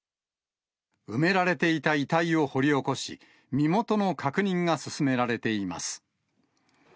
埋められていた遺体を掘り起こし、身元の確認が進められています。